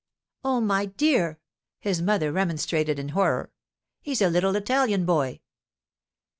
'Oh, my dear!' his mother remonstrated in horror. 'He's a little Italian boy.